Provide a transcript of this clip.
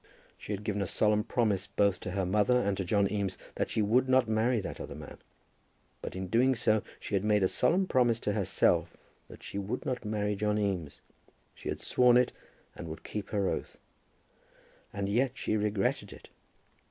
She had given a solemn promise both to her mother and to John Eames that she would not marry that other man; but in doing so she had made a solemn promise to herself that she would not marry John Eames. She had sworn it and would keep her oath. And yet she regretted it!